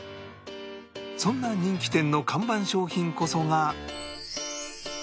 そんな人気店の看板商品こそが